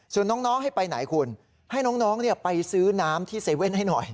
ส่วนน้องให้ไปไหนคุณให้น้องไปซื้อน้ำที่๗๑๑ให้หน่อย